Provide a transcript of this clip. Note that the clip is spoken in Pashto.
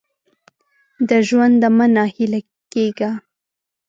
د ژونده مه نا هیله کېږه !